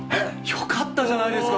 よかったじゃないですか！